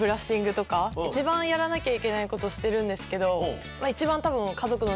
一番やらなきゃいけないことしてるんですけど。